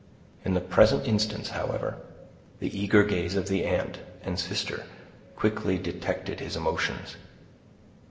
In the present instance, however, the eager gaze of the aunt and sister quickly detected his emotions.